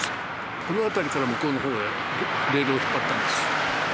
この辺りから向こうの方へレールを引っ張ったんです。